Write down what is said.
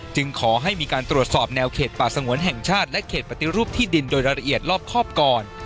ขอให้มีการตรวจสอบแนวเขตป่าสงวนแห่งชาติและเขตปฏิรูปที่ดินโดยละเอียดรอบครอบก่อน